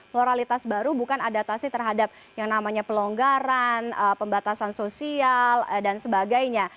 moralitas baru bukan adaptasi terhadap yang namanya pelonggaran pembatasan sosial dan sebagainya